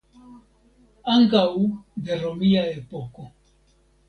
Ankaŭ de romia epoko.